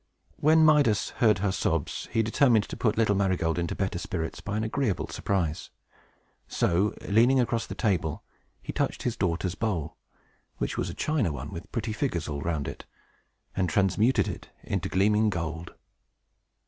When Midas heard her sobs, he determined to put little Marygold into better spirits, by an agreeable surprise; so, leaning across the table, he touched his daughter's bowl (which was a China one, with pretty figures all around it), and transmuted it to gleaming gold.